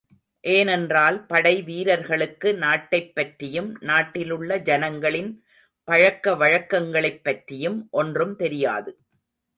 ஏனென்றால் படை வீரர்களுக்கு நாட்டைப் பற்றியும் நாட்டிலுள்ள ஜனங்களின் பழக்க வழக்கங்களைப் பற்றியும் ஒன்றும் தெரியாது.